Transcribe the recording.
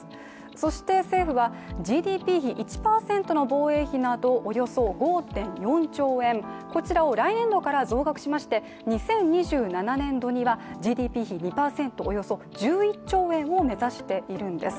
そして政府はＧＤＰ比１％の防衛費などおよそ５．４兆円、こちらを来年度から増額しまして２０２７年度にはＧＤＰ比２％、およそ１１兆円を目指しているんです。